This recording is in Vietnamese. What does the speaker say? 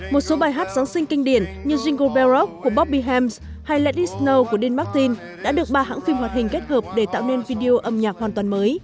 một số bài hát giáng sinh kinh điển như jingle bell rock của bobby hems hay let it snow của dean martin đã được ba hãng phim hoạt hình kết hợp để tạo nên video âm nhạc hoàn toàn mới